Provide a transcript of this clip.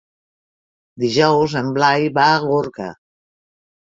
Dijous en Blai va a Gorga.